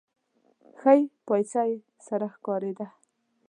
ښۍ پايڅه يې سره ښکارېده.